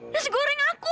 nasi goreng aku